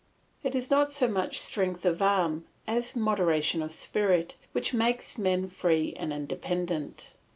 It is not so much strength of arm as moderation of spirit which makes men free and independent.